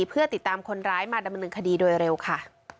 เพื่อติดตามคนร้ายมาดำเนินคดีโดยเร็วค่ะ